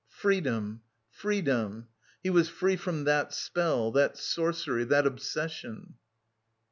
Freedom, freedom! He was free from that spell, that sorcery, that obsession!